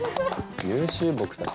優秀僕たち。